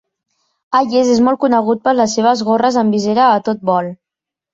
Hayes és molt conegut per les seves gorres amb visera a tot volt.